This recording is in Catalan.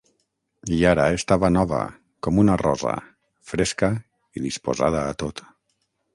I ara estava nova, com una rosa, fresca i disposada a tot.